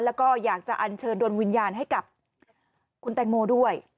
แล้วก็อยากจะอันเชิญดวงวิญญาณให้กับคุณแตงโมด้วย